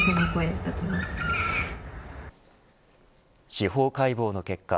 司法解剖の結果